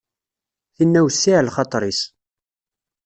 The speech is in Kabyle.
Tinna wessiɛ lxaṭer-is.